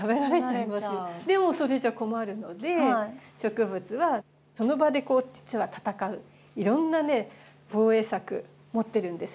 でもそれじゃ困るので植物はその場でこう実は戦ういろんな防衛策持ってるんですよ。